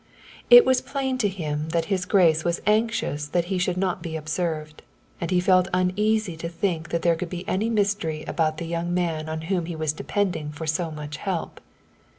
It was plain to him that his grace was anxious that he should not be observed, and he felt uneasy to think that there could be any mystery about the young man on whom he was depending for so much help.